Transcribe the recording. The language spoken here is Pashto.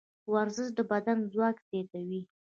ورزش د بدن ځواک زیاتوي.